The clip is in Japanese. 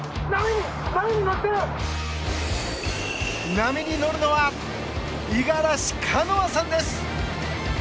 波に乗るのは五十嵐カノアさんです。